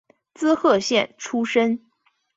滋贺县出身。